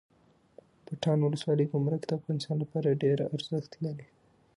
پټان ولسوالۍ ګمرک د افغانستان لپاره ډیره ارزښت لري